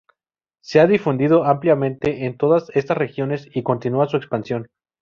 Se ha difundido ampliamente en todas estas regiones y continúa su expansión.